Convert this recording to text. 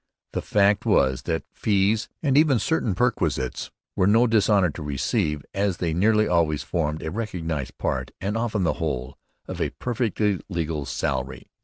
The fact was that fees, and even certain perquisites, were no dishonour to receive, as they nearly always formed a recognized part, and often the whole, of a perfectly legal salary.